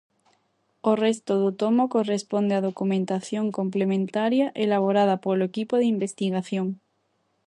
O resto do tomo corresponde a documentación complementaria elaborada polo equipo de investigación.